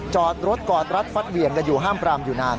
จอดรถกอดรัดฟัดเหวี่ยงกันอยู่ห้ามปรามอยู่นาน